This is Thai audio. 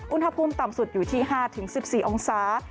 อุณหภูมิต่ำสุดอยู่ที่๕๑๔องศา